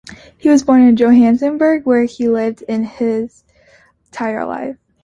He was born in Johannesburg, where he lived his entire life.